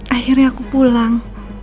akhirnya aku pulang